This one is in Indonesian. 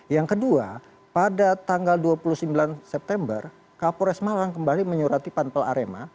yang kedua pada tanggal dua puluh sembilan september kapolres malang kembali menyurati panpel arema